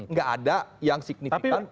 nggak ada yang signifikan